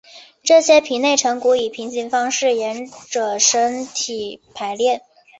这些皮内成骨以平行方式沿者身体排列。